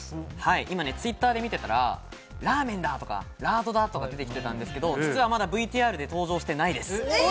今Ｔｗｉｔｔｅｒで見ていたら、ラーメンだとかラードだとか出ていていたんですけど、まだＶＴＲで登場していないです。